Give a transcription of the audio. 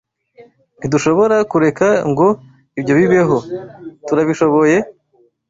Ntidushobora kureka ngo ibyo bibeho, turabishoboye?